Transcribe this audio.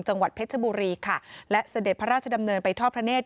จังหวัดเพชรบุรีค่ะและเสด็จพระราชดำเนินไปทอดพระเนธ